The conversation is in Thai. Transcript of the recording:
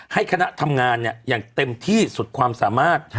คณะทำงานอย่างเต็มที่สุดความสามารถ